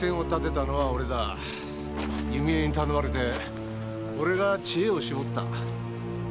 弓枝に頼まれて俺が知恵を絞った。